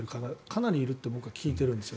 かなりいるって僕は聞いているんです。